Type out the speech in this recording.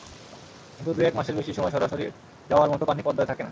কিন্তু দু-এক মাসের বেশি সময় সরাসরি যাওয়ার মতো পানি পদ্মায় থাকে না।